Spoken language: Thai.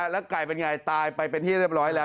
แล้วไก่เป็นไงตายไปเป็นที่เรียบร้อยแล้ว